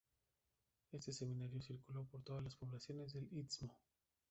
Este semanario circuló por todas las poblaciones del Istmo.